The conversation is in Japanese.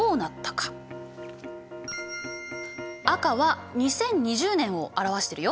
赤は２０２０年を表してるよ。